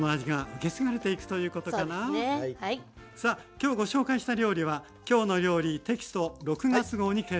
今日ご紹介した料理は「きょうの料理」テキスト６月号に掲載しています。